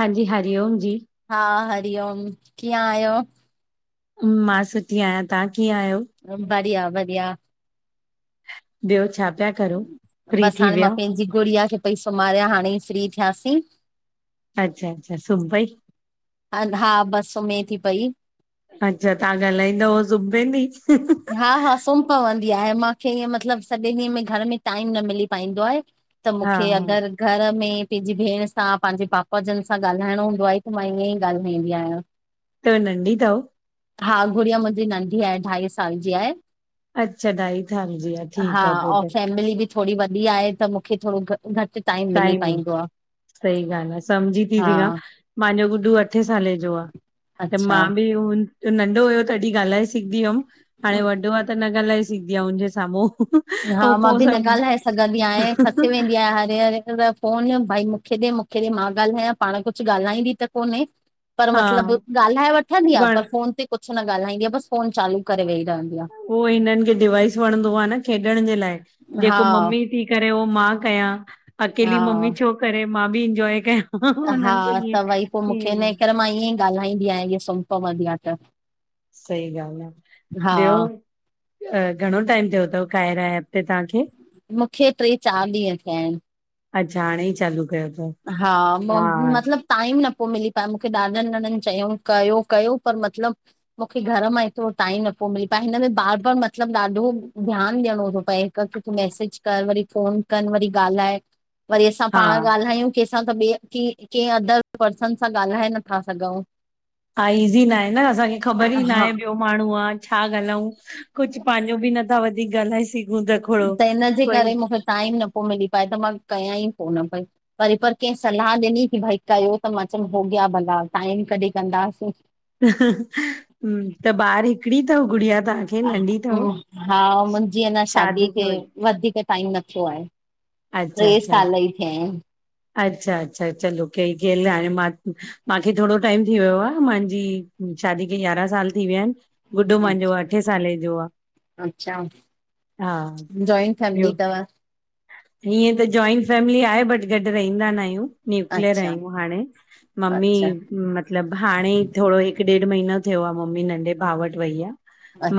हांजी हरिओम जी। हा हरिओम, कीअं आहियो? मां सुठी आहियां, तहां कीअं आहियो? बढ़िया -बढ़िया बियो छा पिया क? बसि हाणे मां पंहिंजी गुड़िया खे पई सुम्हारियां हाणे ई फ्री थियासीं। अच्छा अच्छा सुम पई? हा बस सुमें थी पई। अच्छा तव्हां ॻाल्हाईंदा हुअ सुम पेंदी? हा हा सुम् पवंदी आहे माखे इअं मतिलबु सॼे ॾींहं में घर में टाइम न मिली पाईंदो आहे। त हा मुखे हा, अगरि घर में पंहिंजी भेण सां, पंहिंजे पापा जनि सां ॻाल्हाइणो हूंदो आहे त मां ईअं ई ॻाल्हाईंदी आहियां। [inaudible] त नंढी तव? हा गुड़िया मुंहिंजी नंढी आहे, ढाई साल जी आहे। अच्छा ढाई साल जी आहे, हा ठीक आहे पो और त। फैमिली बि थोरी वॾी आहे त मुखे थोरो घ घटि टाइम मिली पाईंदो आहे। सही ॻाल्हि आहे सम्झी थी हा सघां। मुंहिंजो गुॾो अठे साले जो आहे। त मां अच्छा बि नंढो हुयो तॾहिं ॻाल्हाए सघंदी हुयमि हाणे वॾो आहे त न ॻाल्हाए सघंदी आहे हुनजे साम्हूं। हा ऐं मां पोइ बि न सभु ॻाल्हाए सघंदी आयां खसी वेंदी आहियां हरे हरे कोन भई मुंखे ॾे मुखे ॾे मां ॻाल्हायां पाण कुझु ॻाल्हाईंदी त कोन्हे। पर हा, मतलबु ॻाल्हाए वठंदी आहे वण पर फोन ते कुझु न ॻाल्हाईंदी आहे बसि फोन चालू करे वेही रहंदी आहे। उहो हिननि खे डिवााइस वणंदो आहे न खेॾण जे लाइ हा जेको मम्मी थी करे उहो मां कयां हा अकेली मम्मी छो करे, मां बि इंजॉय कयां। हा हुननि खे त भई पोइ ईअं मुंखे ईअं इ करे मां ईअं ई ॻाल्हाईंदी आहियां हिअ सुम पवंदी आहे त। सही ॻाल्हि हा आहे। ॿियो घणो टाइम थियो अथव कायरा एप ते तव्हांखे? मुंखे ट्रे-चार ॾींह थिया आहिनि। अच्छा हाणे ई चालू कयो तव? हा म मतिलब टाइम न पियो मिली पाए, मूंखे ॾाॾनि जढनि चयऊं कयो कयो पर मतिलब मुखे घर मां हेतिरो टाईम न पियो मिल पाए हिन में बार बार मतलबु ॾाढो ध्यानु ॾियणो थो पए। कैखे त मैसेज कर, वरी फोन कनि, वरी ॻाल्हाए, वरी असां हा पाण ॻाल्हायूं। कंहिंसां त ॿिए क कंहिं अदर पर्सन सां ॻाल्हाए नथा सघूं। हा ईज़ी न आहे न, असांखे ख़बर ई ना आहे हा ॿियो। माण्हू आ छा ॻाल्हऊ कुझु पंहिंजो बि नथा वधीक ॻाल्हाए सघूं त खोड़ो त हिनजे कोई करे मुंखे टाइम न पियो मिली पाए त मां कयां ई कोन पई। वरी पर कंहिं सलाह ॾिनी कि भई कयो त मां चयमि होगिया भला टाइम कढी कंदासीं। त ॿार हिकड़ी अथव गुड़िया तव्हांखे? नंढी अथव? हा मुंहिंजी अन्या शादीअ शादी खे वञ वधीक टाइम न थियो आहे। अच्छा ट्रे अच्छा साल ही थिया आहिन। अच्छा अच्छा [unintelligible] चलो कई गेल म मांखे थोरो टाइम थी वियो आहे, मांहिंजी शादी खे यारहां साल थी विया आहिनि। गुॾो मांजो आहिनि। अठे साले जो आहे। अच्छा हा जॉइंट ॿियो फैमिली अथव? हीअं त जॉइंट फैमिली आहे बट गॾु रहंदा न आहियूं। न्यूक्लियर अच्छा आहियूं हाणे। मम्मी अच्छा मतलबु हाणे थोङो हिकु ॾेढ महीनो थियो आ, मम्मी नंढे भाउ वटि वई आ।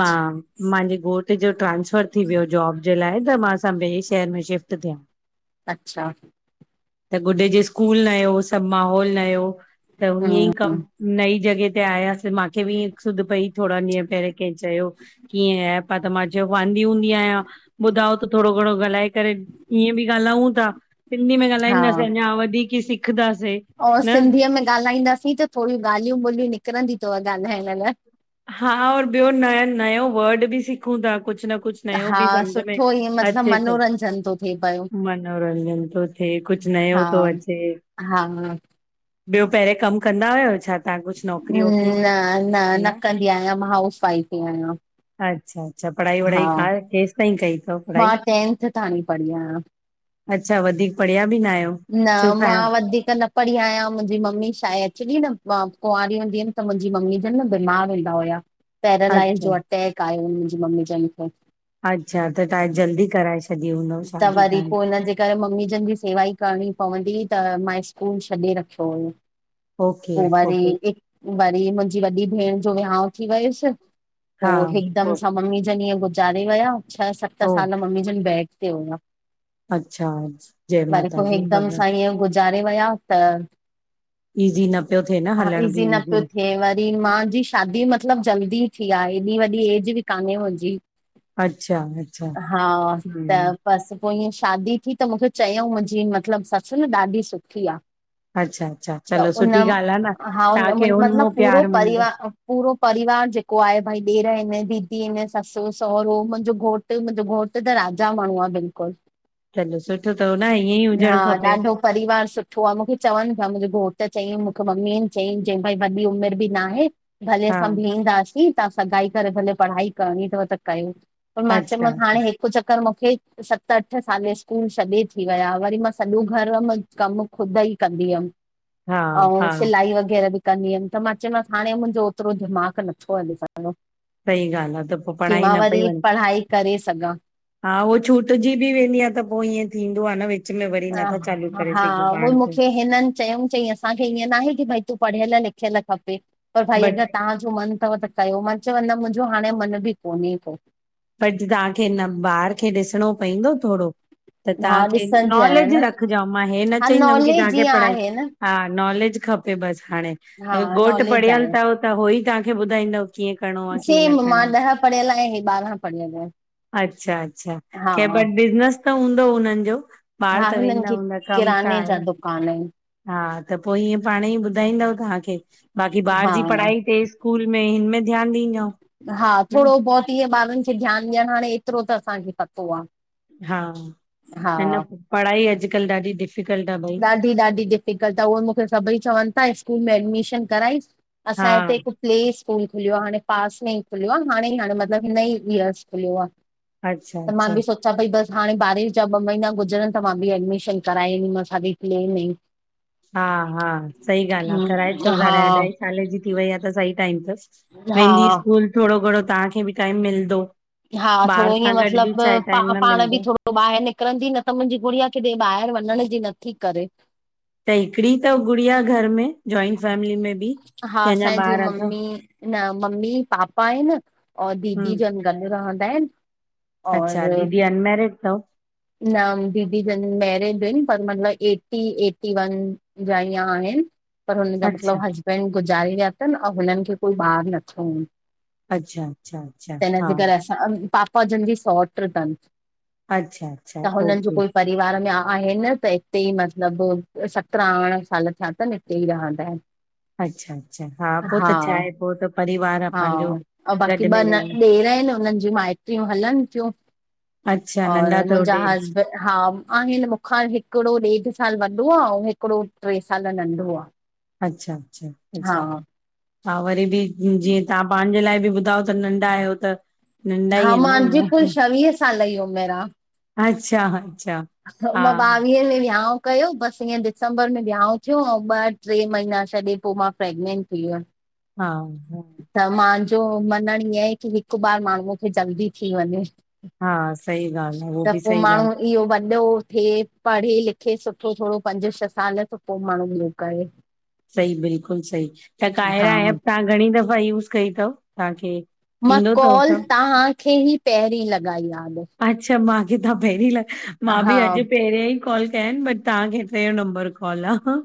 मां मांहिंजे घोट जो ट्रांसफर थी वियो जॉब जे लाइ त मां सब ॿिए शहर में शिफ्ट थियां। अच्छा त गुॾडे जे स्कूल नयो, सब माहोल नयो, त इंए हम्म ई कम नई जॻह ते आयासीं मांखे बि अ सूदध पई थोङा ॾींहं पहिरियों कैं चयो कि इंअं एप आ त मां चयो वांदी हूंदी आहियां ॿुधाओ त थोङो घणो ॻालाए ईअं बि ॻाल्हायूं था, सिंधी में ॻाल्हाईंदासीं अंञा वधीक ई सिखदाासीं। अंउ सिंधीअ में ॻाल्हाईंदासीं त थोङियूं ॻाल्हियूं ॿोलियूं निकिरंदी थव ॻाल्हाइण लाए। हा और ॿयो नयो नयो वर्ड बि सिखियो सिखूं था, कुछ न कुछ नयो हा बि सम्झ में सुठो ईअं मतिलबु अचे थो। मनोरंजन थो थिए पियो मनोरंजन तो थिए, कुछ हा नयो थो अचे। हा ह ॿियों पहिरियों कमु कंदा हुयोव छा? तव्हां कुझु न नौकिरी वौकिरी न न, न कंदी आहियां, मां हाउस वाइफ इ आहियां। अच्छा अच्छा, पढ़ाई हा वढ़ाई क केसि ताईं कई थव पढ़ाई? मां टेंथ ताणी पढ़ी आहियां। अच्छा वधीक पढ़िया बि न आहियो। न छो मां फैम वधिक न पढ़ी आहियां, मुंहिंजी मम्मी छा आहे अकचुलि न कुंआारी हूंदीअम न मुंहिंजी मम्मी ॼन न बीमार रहूंदा हुया। पैरालाइज़ अच्छा जो अटैक आयो मुंहिंजी मम्मी जन खे। अच्छा त तव्हां, जल्दी कराए छॾी हूंदव शादी त्हांजी। इ करे मम्मीजनि जी सेवा ई करणी पवंदी त मां स्कूल छॾे रखियो हुयो। ओके पो ओके वरी- वरी मुंहिंजी वॾी भेण जो विहाांउ थी वियसि। पो हा हिकदमि ओ सां मम्मी जन हिंअ गुज़ारे वया, छह सत ओ साल मम्मी जन बैड ते हुया। अच्छा, जय माता दी वग़ैरह। चाढे वया त ईज़ी न पियो थिए न हलण हाविज बि ही न ईज़ी थ्ये व मां जी शादी मतिलबु जल्दी इ थी आहे, एॾी वॾी एज बि कान्हे मुंजी। अच्छा अच्छा। त हम्म बसि पो ईअं शादी थी त मूंखे चयऊं, मुंहिंजी मतिलबु ससु न ॾाढी सुठी आ। अच्छा अच्छा त चलो उन सुठी ॻाल्हि आहे न हा तव्हांखे हुन मां मतिलब पूरो प्यार मिलंदो परिवार पूरो परिवार जेको आहे भई ॾेर आइनि, दीदी आहिनि, ससु सहुरो, मुंहिंजो घोटु मतिलब घोट त राजा माण्हू आ बिल्कुलु। चलो सुठो थव न, ईअं ई हा हुजणु खपे। ॾाढो परिवार सुठो आ, मूंखे चवनि पिया मुंहिंजो घोट चयई मूंखे मम्मी चयई, चयईं भई वॾी उमिरि बि ना हे भले हा असां भिहंदासीं, तव्हां सगाई करे भले पढ़ाई करणी थव त कयो। पर मां अच्छा चयोयमांसि हाणे हिकु चक्कर मूंखे सत अठ साले स्कूल छॾे थी विया, वरी मां सॼो घर में कमु ख़ुद ई कंदी हुयमि। हा अंउ हा सिलाई वग़ैरह बि कंदी हुअमि त मां चयोमांसि हाणे मुंहिंजो ओतिरो दिमा़ग नथो हलीे सघंदो सही ॻाल्हि आहे त पोइ कि पढ़ाई मां न पई वरी वञे पढ़ाई करे सघां। हा उ छूटजी बि वेंदी आ त पो ईअं थींदो आ न भई। ह हा उह खे मूंखे हिननि चयऊं चईं असांखे ईअं ना आहे कि भई तूं पढ़ियल लिखियल खपे पर भई बट अगरि तव्हांजो मन थव त कयो, मां चयो न मंहिंजो हाणे मन बि कोन्हे को। अॼु तव्हांखे हिन ॿार खे ॾिसणो पइंदो थोड़ो। त हा तहांखे ॾिसंदी आहियां नॉलेज न रखिजो मां हे न हा चईंदमि की नॉलेज तहांखे ईअं पढ़ाई आहे न हा नॉलेज खपे बसि हाणें हा अग घोटु नॉलेज पढ़ियल आहे तव त हो ई तहांखे ॿुधाईंदव कीअं करिणो आ कींअं न सेम मां करिणो। ॾह पढ़ियल हे ॿारहां पढ़ियल एं। अच्छा अच्छा खैर बट बिज़नेस त हूंदो उन्हनि जो ॿाहर हा त हिननि वेंदा खे हूंदा कम छा किराने जा हे? दुकान आहिनि हा त पो ईयं पाणं ई ॿुधाईंदव तहांखे बाक़ी ॿार हा जी पढ़ाई तेज़ स्कूल में हिन में ध्यान ॾींद् हा थोड़ो बहुत ईअं ॿारनि खे ध्यानु ॾियणु हाणे एतिरो त असांखे पतो आ। हा न न पढ़ाई अॼुकल्ह ॾाढी डिफ ॾाढी -ॾाढी डिफिकल्ट आ उहेई मुखे सभई चवनि ता स्कूल में एडमिशन कराईस हा असांये हिते हिकु प्ले स्कूल खुलियो आ, हाणें पास में ई खुलियो आ हाणें ई हाणें मतिलबु हिन ई इयर्स खुलियो आ अच्छा त मां अच्छा बि सोचियां पई बसि हाणे बारिश जा ॿ महीना गुजरनि त मां बि एडमिशन कराए ईंदीमासि। हाली प्ले में ई हा हा सही ॻाल्हि आ, कराए चोस हा हाणे अढाई साले जी थी वई आ त सही टाइम तसि। हा वेंदी स्कूल थोड़ो घणों तहांखे बि टाइम मिलदो। हा थोड़ो ईअं मतलबु प न पांण बि मिलंदो थोड़ो त ॿाहिरि निकिरंदी न त मुंजी गुड़िया किॾे ॿाहिरि वंञंण जी नथी करे। त हिकिड़ी तव गुड़िया घर में जॉइंट फैमिली में बि, की हा अंञां असांजी जीअं ॿार अथव? मम्मी न मम्मी पापा हिनि और दीदी हम्म जन गॾु रहंदा हिनि और अच्छा दीदी अनमेरिड तव न दीदी जन मैरिड इनि पर मतिलबु एटी एटी वन जा ईयं आहिनि पर हुननि जा अच्छा मतलबु हसबैंड गुज़ारे विया तनि अंउं हुननि खे कोई ॿार न थियो हुन। अच्छा अच्छा अच्छा हा अं पापा जन जी सोट्रि तन अच्छा अच्छा त हुननि जो ओके कोई परिवार में आहे न त इतेई मतलबु सतरहां अरिड़हां साल थिया तनि इतेई रहंदा इनि। अच्छा अच्छा हा पो त छाहे पो त परिवार आ पांजो गॾु की ॿ न ॾेर इनि उननि ज्यूं माइटियूं हलनि थियूं अच्छा नंढा और अथव मुंजा ॾेर हसब् हा आहिनि मुखां हिकिड़ो ॾेढु साल वॾो आ अंउं हिकिड़ो ट्रे साल नंढो आ ह [inaudible] अच्छा अच्छा अच्छा हा वरी बि जीअं तहां पांजेलाए बि ॿुधाओ त नंढा आहियो त नंढा ई हा आहिनि न मांजी कुल अञा छवीह साल ई उमिरि आ। अच्छा अच्छा। हा मां ॿावीहें में विह्यांव कयो बसि हीअं दिसंबर में वियाउं थियो अंउं ॿ ट्रे महीना छॾे पो मां प्रेगनेंट थी वियमि। हा हा। त मांजो मनणु ईअं ए की हिकु बार माण्हूंअ खे जल्दी थी वंञें। हा सही ॻाल्हि आ उहो बि सही ॻाल्हि। इह्यो वॾो थिए पढ़े लिखे सुठो थोड़ो पंज छह साल त पो माण्हू ॿियो करे। सही बिल्कुलु सही, त हा कायरा ऐप तहां घणीं दफ़ा यूज़ कई थव मां कॉल तहांखे ही पहिरीं लॻाई आ आॾु। अच्छा मांखे तव्हां पहिरीं लगाई। मां बि हा अॼु पहिरियां ई कॉल क्या आहिनि। बट तव्हांखे टियों नम्बर कॉल आहे।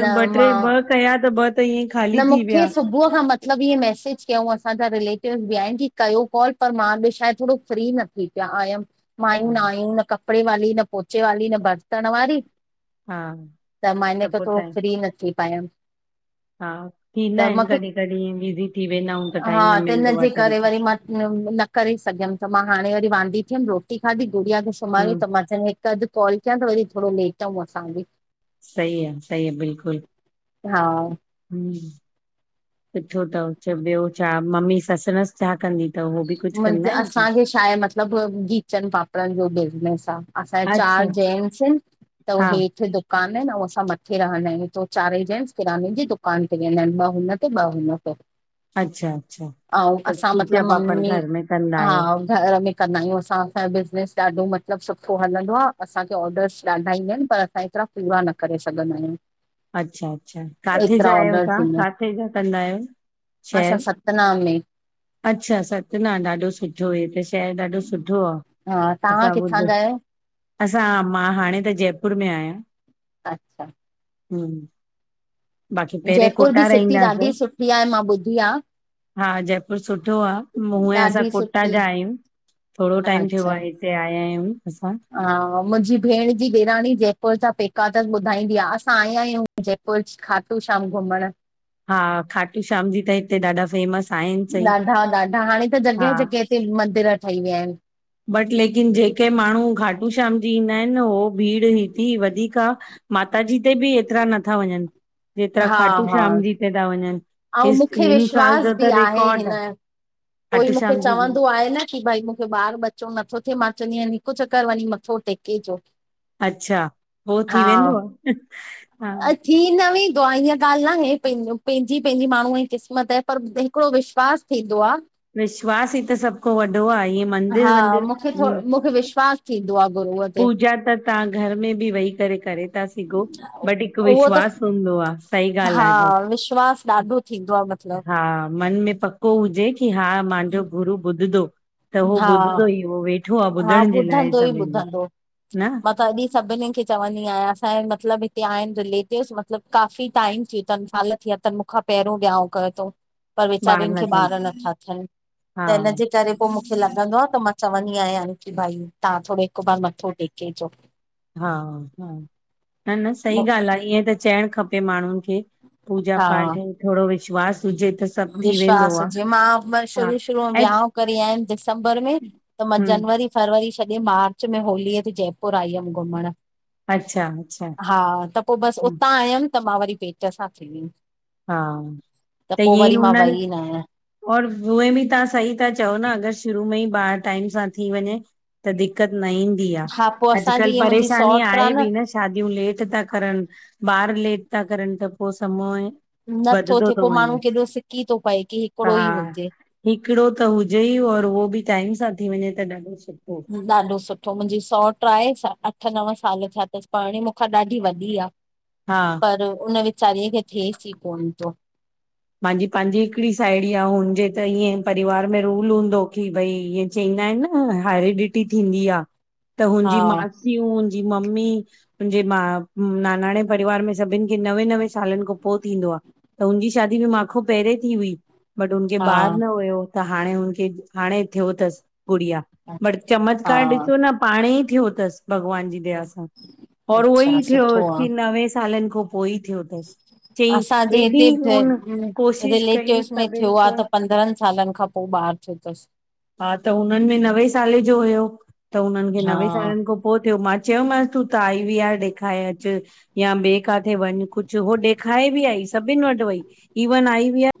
न ॿ टे, मां ॿ कया त ॿ त ईअं ख़ाली न थी मूंखे। विया सुबुह खां म मतिलबु इअं मैसेज कयऊं असांजा रिलेटिवस बि आहिनि कि कयो कॉल पर मां बि छाए थोरो फ्री न थी पिया आयमि। हा माइयूं न आहियूं न कपिड़े वाली, न पोचे वाली, न बर्तन वारी हा त मां इन करे पोइ थोरो टाइम फ्री न थी पायमि। हा थींदा त आहिनि। मूंखे कॾहिं कॾहिं ईअं बिज़ी थी वेंदा आहियूं त हा टाइम न त मिलंदो आहे हिनजे करे तरीकों। वरी मां न करे सघियुमि त मां हाणे वरी वांदी थीयुमि, रोटी खाधी, गुड़िया खे सुुमारियो हम्म त मां चयो हिकु अधु कॉल कयां त वरी थोरो लेटऊं असां बि। सही आ, सही आ, बिल्कुलु। हा हम्म, सुठो अथव चओ ॿियो छा मम्मी ससुनस छा कंदी अथव? हो बि कुझु हिननि खे, कंदा आहिनि छा असांखे छाहे मतलबु खीचन पापड़नि जो बिज़नेस आहे। असां जे अच्छा चार अच्छा जेनट्स आहिनि। त हा हेठ द दुकान आहिनि ऐं असां मथे रहंदा आहियूं। त चारई जेंनट्स किरयाने जी दुकान ते वेंदा आहिनि ॿ हुन ते, ॿ हुन ते। अच्छा अच्छा, ऐं त असां खीचा मतिलबु हा पापड़ घर में कंदा आहियो [unintelligible] घर में कंदा आहियूं। साफ आहे बिज़नेस ॾाढो मतिलबु सुठो हलंदो आहे। असांखे ऑर्डर्स ॾाढा ईंदा आहिनि। पर असां एतिरा पूरा न करे सघंदा आहियूं। अच्छा अच्छा, काथे एतिरा जा आहियो ऑडर्स तव्हां? ईंदा आहिनि काथे जा कंदा आहियो? शहर असां सतना में। अच्छा सतना ॾाढो सुठो शहर। शहर ॾाढो सुठो आहे। हा तव्हां असां किथां ॿुधो। जा आहियो असां मां हाणे त जयपुर में आहियां। अच्छा। हम्म, बाकी पहिरें जयपुर बि कोटा सिटी रहिंदासे। ॾाढी सुठी आहे मां ॿुधी आ हा जयपुर सुठो आहे। हुएं असां ॾाढी कोटा सुठी जा आहियूं। थोरो टाइम थियो अच्छा आहे हिते आया आहियूं असां। हा, मुंहिंजी भेण जी ॾेराणी जयपुर जा पेका अथस ॿुधाईंदी आहे। असां आया आहियूं जयपुर। खाटू श्याम घुमण। हा खाटू श्याम जी त हिते ॾाढा फेमस आहिनि सही ॾाढा ॾाढा हाणे त जॻहि हा जॻहि ते मंदर ठही विया आहिनि। बट लेकिन जेके माण्हू घाटू श्याम जी ईंदा आहिनि। उहो भीड़ हेतिरी वधीक आहे माता जी ते बि एतिरा नथा वञनि जेतिरा हा खाटू हा श्याम जी ते था वञनि। ऐं हिस मूंखे हिन साल विश्वास जो बि त आहे रिकॉर्ड हिन। आ कोई खाटू मूंखे श्याम जी में चवंदो आहे न कि भई ॿार बचो नथो थिए। मां चवंदी आहियां हिकु चक्कर वञी मथो टेके कणों। अच्छा, पो थी वेंदो आहे? अच्छा। थी न वेंदो आहे। हिअं ॻाल्हि न आहे पंहिंजो पंहिंजी पंहिंजी माण्हूअ जी क़िस्मत आहे पर हिकिड़ो विश्वास थींदो आहे। विश्वास ई त सभु को वॾो आहे ईअ मंदिर हा वंदिर मूंखे थोरो मूंखे विश्वास थींदो आहे गुरूअ जो। पूजा त तव्हां घर में बि वेही करे करे था सिघो। बट हिकु उहो त विश्वास हूंदो आहे। सही ॻाल्हि हा आहे भई। विश्वास ॾाढो थींदो आहे मतिलबु हा मन में पक हू हुजे की हा माहिंजो, गुरू ॿुधदो त हू हा ॿुधदो ई होवे। सुठो आ हा ॿुधण जे लाइ ॿुधंदो ई सभिनि जो। ॿुधंदो न मां त अॼी सभिनीनि खे चवंदी आहियां, असांजे मतिलबु हिते आहिनि रिलेटिव्स मतिलबु काफ़ी टाइम थि तनि साल या त मुखां पहिरियों वियाांउं कयो थोउं। पर वेचारिनि न खे थियनि ॿार नथा थियनि हा त इन जे करे पोइ मुखे लॻंदो आ त मां चवंदी आहियां की भई तव्हां थोरो हिकु बार मथो टेके छो। हा हा न न सही ॻाल्हि आ, ईअं त चइणु खपे माण्हुनि खे पूजा हा पाठ ऐं थोरो विश्वास हुजे त सभु थी वेंदो विश्वास आहे हुजेअ मां हा शुरू शुरू ऐं वियाउं करे आयमि दिसंबर में त मां हम्म जनवरी, फरवरी छॾे मार्च में होलीअ ते जयपुर, आई हुयमि घुमणु अच्छा अच्छा हा त पोइ बसि उतां आयमि त मां वरी पेट सां थी वियमि। हा, त पोइ ईअं ई वरी मां हुननि वई न आहियां और उहे बि तहां सही था चओ न अगरि शुरू में ई ॿार टाइम सां थी वञे त दिक़त न ईंदी आ हा पोइ असांजी अॼकल्ह, हीअ मुंहिंजी परेशानी सौट आहे बि न। शादियूं लेट था करनि ॿार लेट था करनि त पोइ समय नथो वधंदो थिए थो पोइ माण्हू वञे केॾो सिकी थो पए कि त हिकिड़ो हा ई हुजे। हिकिड़ो त हुजे ई, और उहो बि टाइम सां थी वञे त ॾाढो सुठो। ॾाढो सुठो मुंहिंजी सौट आहे अठ, नव साल थिया अथसि पाणे मुंखा ॾाढी वॾी आ। [inaudible] हा। पर, उन वीचारीअ खे थिएसि ई कोन तो। माहिंजी, पंहिंजी हिकड़ी साहेड़ी आ हुनजे त ईअं परिवार में रूल हूंदो की भई ईअ चवंदा आहिनि न हैरिडिटी थींदी आ, त हा हुनजी मासियूं, हुनजी मम्मी हुनजे मां, नानाणे परिवार में सभिनि खे नवे नवे सालनि खां पोइ थींदो आ त हुनजी शादी बी माखो पहिरें थी हुई, बट हुनखे हा ॿार न हुयो त, हाणे हुनखे हाणे थियो अथसि, गुड़िया बट चमत्कार हा ॾिसो न पाणे ई थियो अथसि, भॻवान जी दया सां और उहो अच्छा ई सुठो थियोसि, आ, की नवे सालनि खों पोइ ई थियो अथसि चई, एॾी हुन कोशिश कई रिलेटिवस में थियो सभिनि आ खे त, पंद्रहनि सालनि खां पोइ ॿार थियो तसि हा त हुननि में नवे साले जो हुयो त, हुननि खे नवे हा सालनि खां पोइ थियो। मां चयोमांस तूं त आई बी आर ॾेखारे अचु या ॿे काथे वञ कुझ हो ॾेखाए, बि आई सभिनि वटि वई इवन आई वी आर